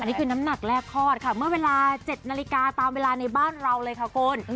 นี่คือน้ำหนักแรกคลอดค่ะเมื่อเวลา๗นาฬิกาตามเวลาในบ้านเราเลยค่ะคุณ